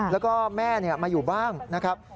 แล้วก็แม่มาอยู่บ้างนะครับ